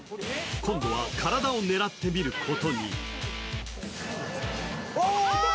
今度は体を狙ってみることに。